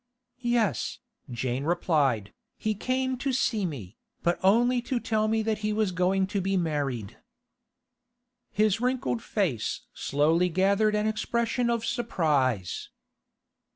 'Yes,' Jane replied, 'he came to see me, but only to tell me that he is going to be married.' His wrinkled face slowly gathered an expression of surprise.